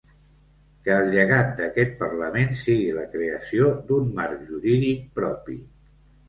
Que el llegat d’aquest parlament sigui la creació d’un marc jurídic propi.